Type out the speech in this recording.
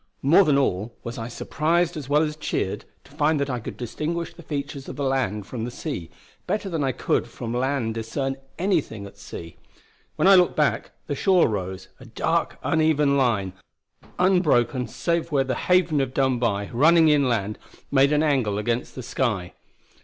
More than all, was I surprised as well as cheered to find that I could distinguish the features of the land from the sea, better than I could from land discern anything at sea. When I looked back, the shore rose, a dark uneven line, unbroken save where the Haven of Dunbuy running inland made an angle against the sky.